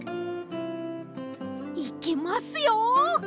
いきますよ！